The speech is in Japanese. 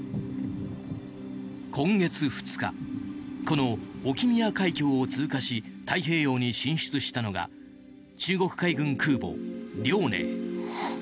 今月２日この沖宮海峡を通過し太平洋に進出したのが中国海軍空母「遼寧」。